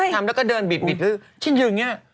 ทำแล้วก็เดินบิดฉันอยู่อย่างนี้